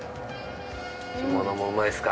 干物もうまいですか？